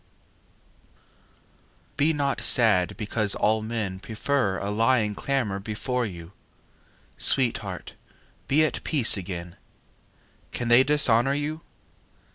XIX Be not sad because all men Prefer a lying clamour before you: Sweetheart, be at peace againâ Can they dishonour you?